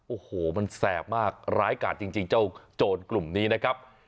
โอ้โหมันแสบมากร้ายกาดจริงเจ้าโจรกลุ่มนี้นะครับ